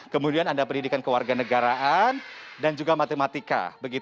kemudian ada pendidikan kewarganegaraan dan juga matematika